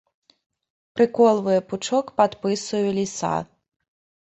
Прыколвае пучок пад пысаю ліса.